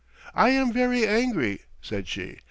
"I am very angry," said she.